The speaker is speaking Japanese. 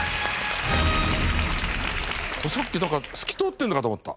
さっきだから透き通ってるのかと思った。